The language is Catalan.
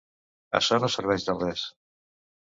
Açò no serveix de res.